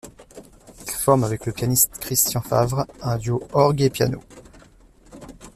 Il forme avec le pianiste Christian Favre un duo orgue et piano.